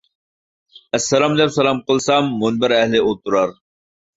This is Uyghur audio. ئەسسالام دەپ سالام قىلسام، مۇنبەر ئەھلى ئولتۇرار.